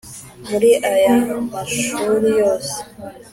Muri aya mashuri yose